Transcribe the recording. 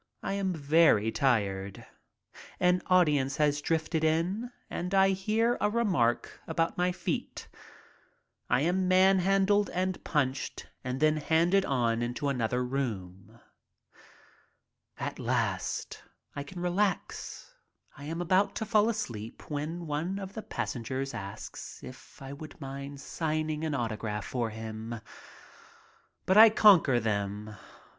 I am very tired. An audience has drifted in and I hear a remark about my feet. I am manhandled and punched and then handed on into another room. At last I can relax. I am about to fall asleep when one of the passengers asks if I would mind signing my autograph for him. But I conquer them.